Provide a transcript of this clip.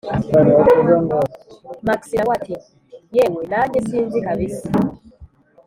max nawe ati: yewe nanjye sinzi kabisa,